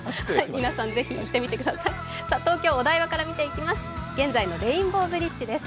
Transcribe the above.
皆さんぜひ行ってみてください、東京・お台場から見ていきます。